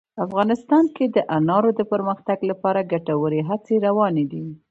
افغانستان کې د انارو د پرمختګ لپاره ګټورې هڅې روانې دي.